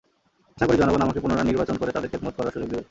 আশা করি জনগণ আমাকে পুনরায় নির্বাচিত করে তাদের খেদমত করার সুযোগ দেবে।